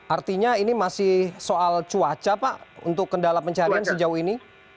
artinya ini masih soal cuaca pak untuk kendala pencarian sejauh ini